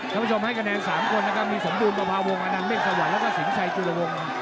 ท่านผู้ชมให้คะแนน๓คนนะครับมีสมบูรณประพาวงศนันเมฆสวรรค์แล้วก็สินชัยจุลวง